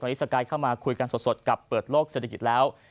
ตอนนี้สกายเข้ามาคุยกันสดกับเปิดโลกเศรษฐกิจแล้ว